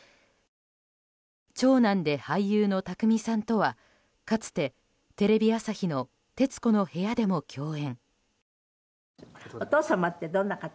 長男で俳優の匠さんとはかつてテレビ朝日の「徹子の部屋」でも共演。